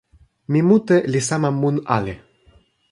mi mute li sama mun ali.